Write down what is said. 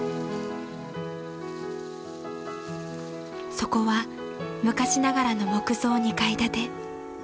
［そこは昔ながらの木造２階建て］